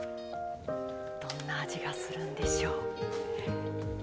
どんな味がするんでしょう。